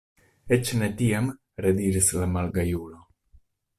Eĉ ne tiam, rediris la malgajulo.